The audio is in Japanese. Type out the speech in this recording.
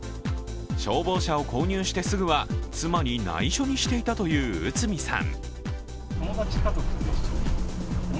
消防車を購入してすぐは妻にないしょにしていたといううつみさん。